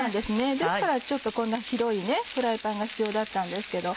ですからこんな広いフライパンが必要だったんですけど。